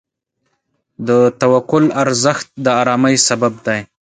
د توکل ارزښت د آرامۍ سبب دی.